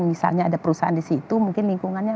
misalnya ada perusahaan disitu mungkin lingkungannya